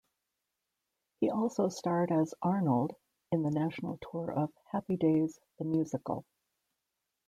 He also starred as "Arnold" in the national tour of "Happy Days, the Musical".